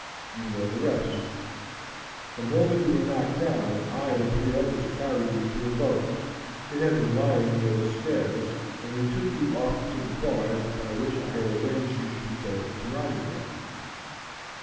You know the rest. The moment you were knocked down I and three others carried you to a boat. It had been lying near the stairs, and we took you off to the barge in which I had arranged you should be taken to Rotterdam.